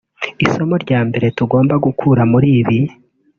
“Isomo rya mbere tugomba gukura muri ibi